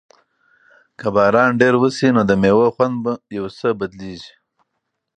که باران ډېر وشي نو د مېوو خوند یو څه بدلیږي.